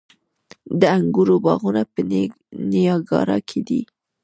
د انګورو باغونه په نیاګرا کې دي.